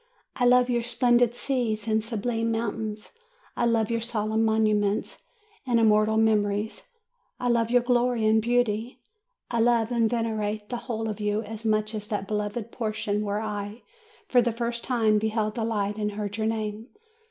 I love your splendid seas and sublime mountains ; I love your solemn monuments and immortal memories; I love your glory and beauty ; I love and venerate the whole of you as much as that beloved portion where I, for the first time, beheld the light and heard your name.